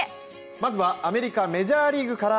まずはアメリカ・メジャーリーグから。